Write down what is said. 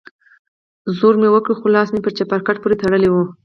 زور مې وکړ خو لاس مې په چپرکټ پورې تړلى و.